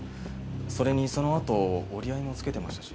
それにそのあと折り合いもつけてましたし。